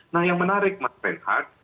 nah yang menarik pak renhat